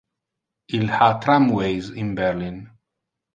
Il ha tramways in Berlin.